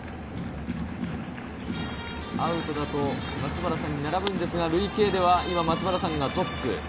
アウトだと松原さんに並ぶんですが、累計では今、松原さんがトップ。